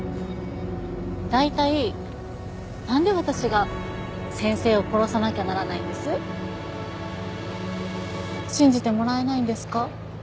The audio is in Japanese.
大体なんで私が先生を殺さなきゃならないんです？信じてもらえないんですか？